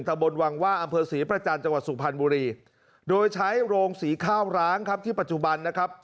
บนวังว่าอำเภอศรีประจันทร์จังหวัดสุพรรณบุรีโดยใช้โรงสีข้าวร้างครับที่ปัจจุบันนะครับ